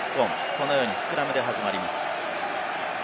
このようにスクラムで始まります。